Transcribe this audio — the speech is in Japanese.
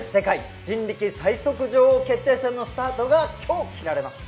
人力最速女王決定戦のスタートが今日切られます。